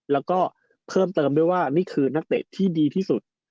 แล้วก็เพิ่มเติมด้วยว่านี่คือนักเตะที่ดีที่สุด